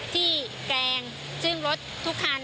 แกรงซึ่งรถทุกคัน